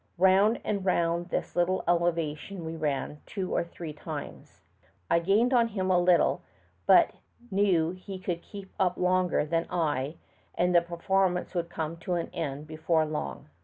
Round and round this little elevation we ran two or three times. I gained on him a little, but knew he could keep it up longer than I and the performance would come to an end before long.